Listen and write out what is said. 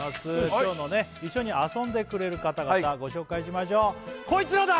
今日のね一緒に遊んでくれる方々ご紹介しましょうこいつらだ！